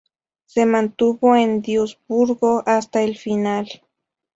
Se mantuvo en Duisburgo hasta el final.